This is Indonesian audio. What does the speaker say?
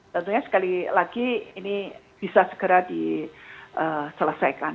tentunya sekali lagi ini bisa segera diselesaikan